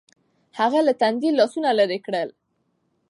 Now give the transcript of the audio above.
هغه له ټنډې لاسونه لرې کړل. .